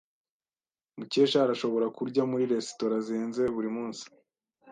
Mukesha arashobora kurya muri resitora zihenze buri munsi.